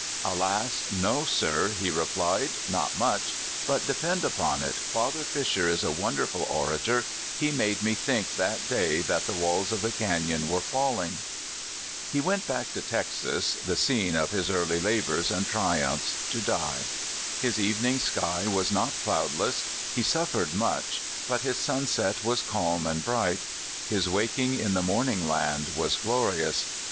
'Alas ! no, sir/ he replied ;' not much ; but depend upon it, Father Fisher is a wonderful orator he made me think that day that the walls of the canon were falling.' " 144 CALIFORNIA SKETCHES. He went back to Texas, the scene of his early labors and triumphs, to die. His evening sky was not cloudless he suffered much but his sunset was calm and bright ; his waking in the Morning Land was glorious.